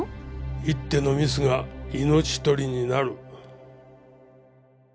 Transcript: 一手のミスが命取りになる。